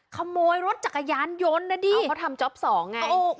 ขโมยรถจักรยานย้น